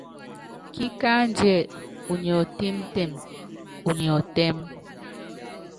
Kíkándíɛ unyi ɔtɛ́mtɛm, unyɛ ɔtɛ́m.